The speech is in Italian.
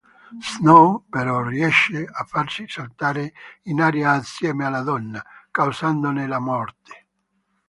Snow, però, riesce a farsi saltare in aria assieme alla donna, causandone la morte.